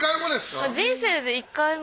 人生で１回も。